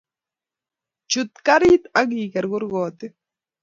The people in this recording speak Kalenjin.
Chuut karit agigeer kurkotik